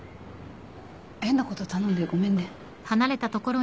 変なこと頼んでごめんね。